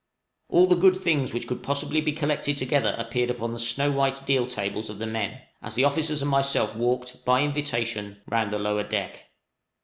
All the good things which could possibly be collected together appeared upon the snow white deal tables of the men, as the officers and myself walked (by invitation) round the lower deck.